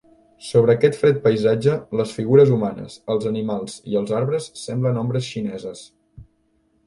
Sobre aquest fred paisatge les figures humanes, els animals i els arbres semblen ombres xineses.